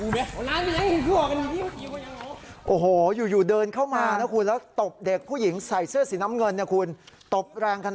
มึงคือเจรงแขก